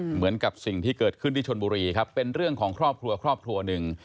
เหมือนกับสิ่งที่เกิดขึ้นที่ชนบุรีครับเป็นเรื่องของครอบครัวครอบครัวหนึ่ง